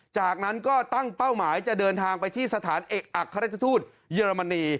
จากนั้นก็ตั้งเป้าหมายจะเดินทางไปที่สถานเอกอัครราชทูตเยอรมนี